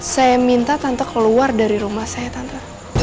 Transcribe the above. saya minta tante keluar dari rumah saya tante